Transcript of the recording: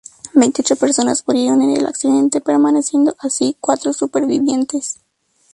Veintiocho personas murieron en el accidente, permaneciendo así cuatro supervivientes.